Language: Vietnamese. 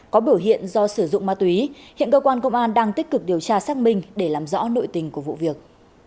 có biểu hiện do sử dụng ma túy hiện cơ quan công an đang tích cực điều tra xác minh để làm rõ nội tình của vụ việc